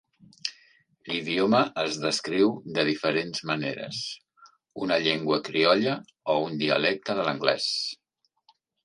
L'idioma es descriu de diferents maneres, una llengua criolla o un dialecte de l'anglès.